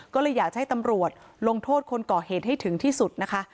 ก็เลยอยากจะให้ตำรวจลงโทษคนก่อเหตุให้ถึงที่สุดนะคะ